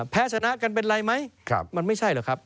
แพ้ชนะกันเป็นไรไหมมันไม่ใช่หรอกครับ